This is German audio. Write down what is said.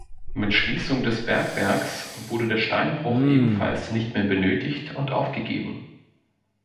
Mit Schließung des Bergwerks wurde der Steinbruch ebenfalls nicht mehr benötigt und aufgegeben.